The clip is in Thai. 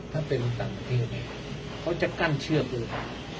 ถ้าเป็นต่างที่อยู่ไหนเขาจะกั้นเชือกเลย